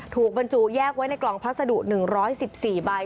ถูกบรรจุแยกไว้ในกล่องพัสดุหนึ่งร้อยสิบสี่ใบ